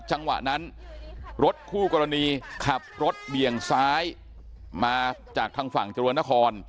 จังหวะนั้นรถคู่กรณีขับรถเบี่ยงซ้ายมาจากทางฝั่งจรวนนคร